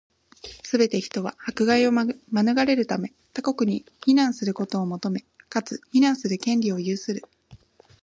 すべて人は、迫害を免れるため、他国に避難することを求め、かつ、避難する権利を有する。